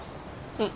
うん。